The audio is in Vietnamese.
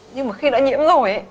nhưng mà khi đã nhiễm rồi